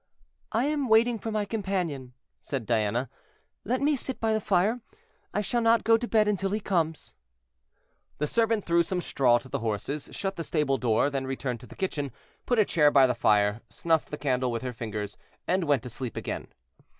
"I am waiting for my companion," said Diana; "let me sit by the fire; I shall not go to bed until he comes." The servant threw some straw to the horses, shut the stable door, then returned to the kitchen, put a chair by the fire, snuffed the candle with her fingers, and went to sleep again.